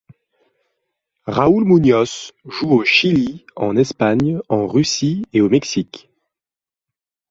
Raúl Muñoz joue au Chili, en Espagne, en Russie et au Mexique.